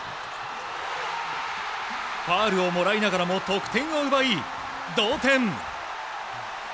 ファウルをもらいながらも得点を奪い、同点。